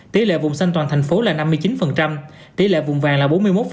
tỷ lệ vùng xanh toàn thành phố là năm mươi chín tỷ lệ vùng vàng là bốn mươi một